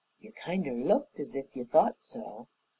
"You kinder looked as if yer thought so."